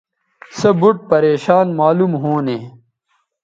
سے بُوٹ پریشان معلوم ھونے